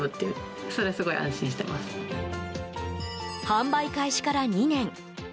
販売開始から２年。